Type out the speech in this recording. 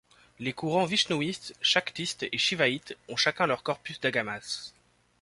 Les courants vishnouiste, shaktiste et shivaïte ont chacun leur corpus d’agamas.